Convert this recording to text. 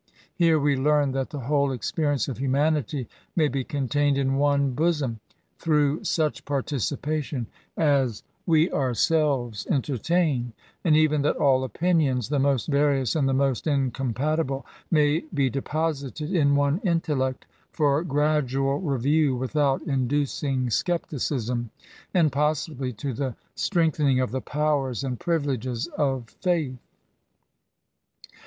Here, we learn that the whole expe rience of humanity may be contained in one bosom, through such participation as we ourselves entertain; and even that all opinions, the most various and the most incompatible, may be depo sited in one intellect, for gradual review, without inducing sceptidsm, and possibly to the strength ening of the powers and privileges of Faith.